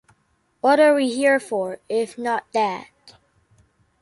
What are we here for, if not that?